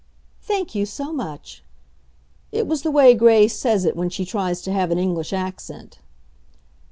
"Thank you, so much." It was the way Gray says it when she tries to have an English accent.